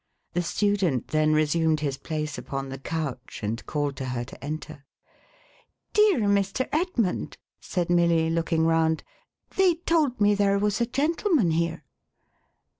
The student then resumed his place upon the couch, and called to her to enter. " Dear Mr. Edmund," said Milly, looking round, " they told me there was a gentleman here."